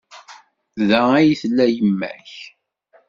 Da ay tella yemma-k?